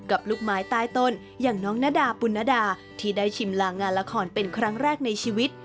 ลูกไม้ใต้ต้นอย่างน้องนาดาปุณดาที่ได้ชิมลางงานละครเป็นครั้งแรกในชีวิต